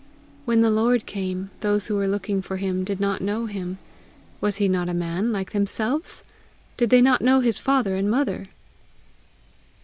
When the Lord came, those who were looking for him did not know him: was he not a man like themselves! did they not know his father and mother!